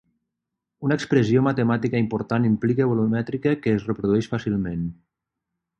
Una expressió matemàtica important implica volumètrica que es reprodueix fàcilment.